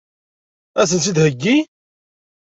Ad sen-tt-id-iheggi?